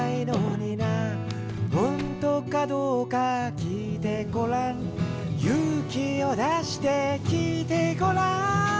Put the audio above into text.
「ほんとかどうか聞いてごらん」「勇気を出して聞いてごらん」